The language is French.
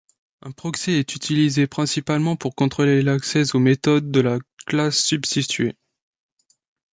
Un proxy est utilisé principalement pour contrôler l'accès aux méthodes de la classe substituée.